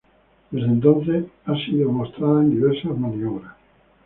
Desde entonces ha sido mostrada en diversas maniobras.